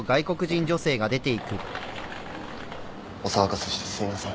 お騒がせしてすみません。